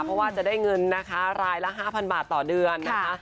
เพราะว่าจะได้เงินนะคะรายละ๕๐๐บาทต่อเดือนนะคะ